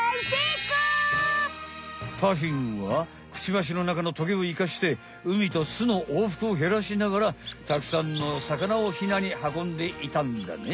パフィンはクチバシの中のトゲをいかしてうみとすのおうふくをへらしながらたくさんの魚をヒナにはこんでいたんだね。